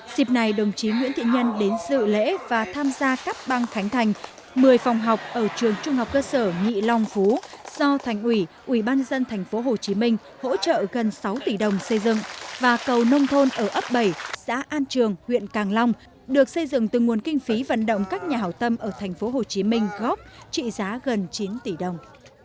dịp này đồng chí nguyễn thiện nhân đến dự lễ và tham gia các bang khánh thành một mươi phòng học ở trường trung học cơ sở nghị long phú do thành ủy ủy ban dân tp hcm hỗ trợ gần sáu tỷ đồng xây dựng và cầu nông thôn ở ấp bảy xã an trường huyện càng long được xây dựng từ nguồn kinh phí vận động các nhà hào tâm ở tp hcm góp trị giá gần chín tỷ đồng